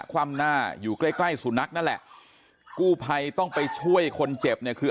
คว่ำหน้าอยู่ใกล้สุนัขนั่นแหละกู้ไพต้องไปช่วยคนเจ็บคือ